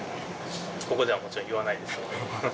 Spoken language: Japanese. ここではもちろん言わないですけど。